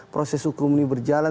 proses hukum ini berjalan